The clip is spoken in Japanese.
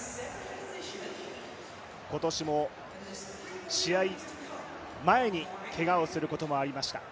今年も試合前にけがをすることもありました。